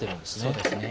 そうですね。